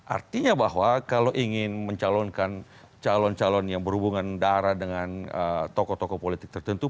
artinya bahwa kalau ingin mencalonkan calon calon yang berhubungan darah dengan tokoh tokoh politik tertentu